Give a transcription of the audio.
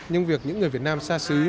nhưng việc những người việt nam xa xứ